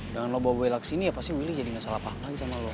dengan lu bawa bella kesini ya pasti willy jadi ga salah paham lagi sama lu